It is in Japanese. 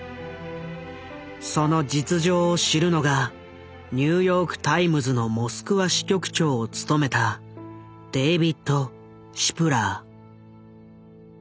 その実情を知るのがニューヨーク・タイムズのモスクワ支局長を務めたデービッド・シプラー。